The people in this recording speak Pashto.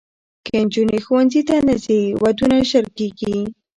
که نجونې ښوونځي ته نه ځي، ودونه ژر کېږي.